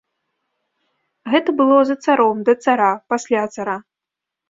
Гэта было за царом, да цара, пасля цара.